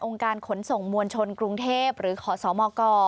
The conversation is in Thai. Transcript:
การขนส่งมวลชนกรุงเทพหรือขอสมก